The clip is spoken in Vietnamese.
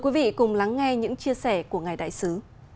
hãy cùng lắng nghe những chia sẻ của ngài đại sứ